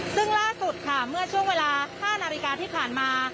ซึ่งล่าสุดค่ะเมื่อช่วงเวลา๕นาฬิกาที่ผ่านมา